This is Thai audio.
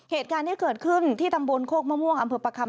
เหตุการณ์นี้เกิดขึ้นที่ตำบลโคกมะม่วงอำเภอประคำ